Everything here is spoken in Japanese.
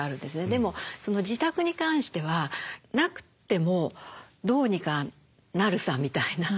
でも自宅に関してはなくてもどうにかなるさみたいな。